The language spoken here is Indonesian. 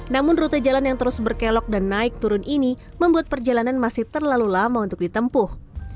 namun rute jalan yang terus berkelok dan naik turun ini membuat perjalanan masih terlalu lama untuk ditempuh